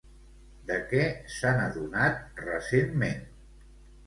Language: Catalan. De què s'han adonat recentment?